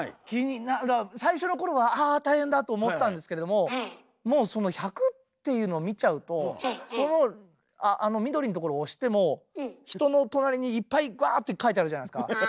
最初のころは「あ大変だ」と思ったんですけれどももうその１００っていうのを見ちゃうとその緑のところを押しても人の隣にいっぱいグワーって書いてあるじゃないですか。